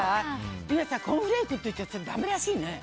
今、コーンフレークって言ったらだめらしいね。